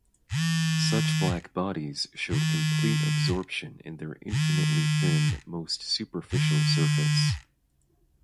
Such black bodies showed complete absorption in their infinitely thin most superficial surface.